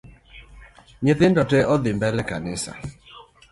Nyithindo tee odhii mbele kanisa